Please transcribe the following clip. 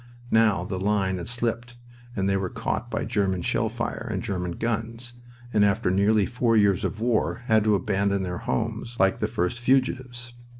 Now the line had slipped and they were caught by German shell fire and German guns, and after nearly four years of war had to abandon their homes like the first fugitives.